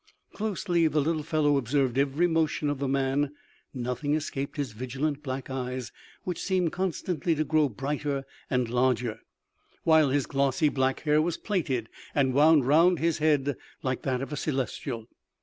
Closely the little fellow observed every motion of the man; nothing escaped his vigilant black eyes, which seemed constantly to grow brighter and larger, while his glossy black hair was plaited and wound around his head like that of a Celestial.